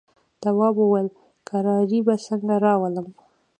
تواب وويل: کراري به څنګه راولم.